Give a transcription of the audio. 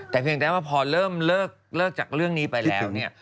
แต่เพียงแต่ว่าพอเริ่มเลิกจากเรื่องนี้ไปแล้วเนี่ย